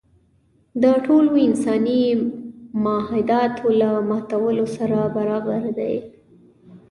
د ټولو انساني معاهداتو له ماتولو سره برابر دی.